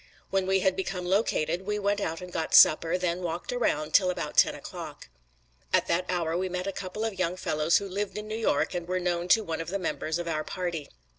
When we had become located, we went out and got supper, then walked around until about ten o'clock. At that hour we met a couple of young fellows who lived in New York and were known to one of the members of our party.